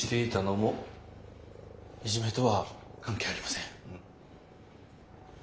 いじめとは関係ありません。